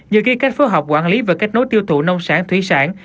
nhờ khi cách phối hợp quản lý và cách nối tiêu thụ nông sản thủy sản